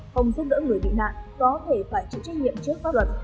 không giúp đỡ người bị nạn có thể phải chịu trách nhiệm trước pháp luật